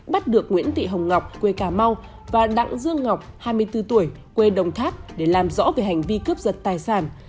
bắt được nguyễn thị hồng ngọc quê cà mau và đặng dương ngọc hai mươi bốn tuổi quê đồng tháp để làm rõ về hành vi cướp giật tài sản